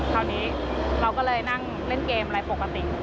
คราวนี้เราก็เลยนั่งเล่นเกมอะไรปกติ